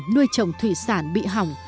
nuôi trồng thủy sản bị hỏng